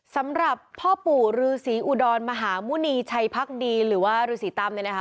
สำหรับพ่อปู่รือศรีอุดรมหามุณีชัยภักดีหรือว่ารือศรีตำเลยนะคะ